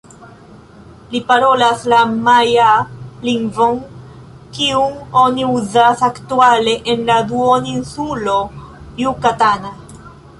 Li parolas la majaa lingvon kiun oni uzas aktuale en la Duoninsulo Jukatana.